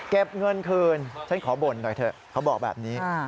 เก็บเงินคืนฉันขอบ่นหน่อยเถอะเขาบอกแบบนี้